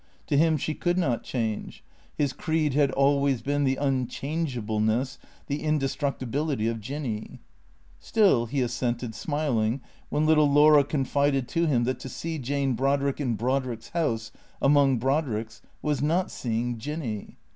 To him she could not change. His creed had always been the unchange ableness, the indestructibility of Jinny. Still, he assented, smiling, when little Laura confided to him that to see Jane Brodrick in Brodrick's house, among Brod ricks, was not seeing Jinny.